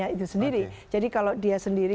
itu sendiri jadi kalau dia sendiri